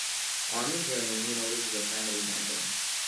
On his journey, he notices a family camping.